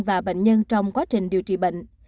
và bệnh nhân trong quá trình điều trị bệnh